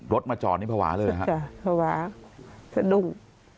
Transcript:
รถมาจอดนี่ภาวะเลยนะครับใช่จ้ะภาวะสนุก